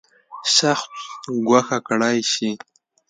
شخص ګوښه کړی شي.